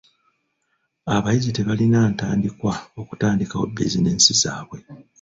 Abayizi tebalina ntandikwa okutandikawo bizinensi zaabwe.